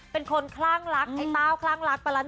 เป็นคนคล่างลักไอ้เป้าคล่างลักปะละเดิน